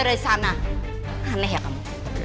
dari sana aneh ya kamu